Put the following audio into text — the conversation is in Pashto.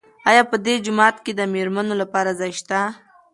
آیا په دې جومات کې د مېرمنو لپاره ځای شته؟